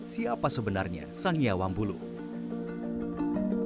siapa sebenarnya sanya wambulu dia anak dari murhum yang kemudian meninggalkan wilayah ini